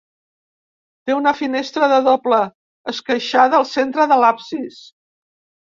Té una finestra de doble esqueixada al centre de l'absis.